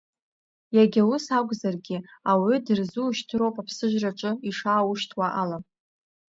Иагьа ус акәзаргьы, ауаҩы дырзушьҭыроуп аԥсыжраҿы ишааушьҭуа ала.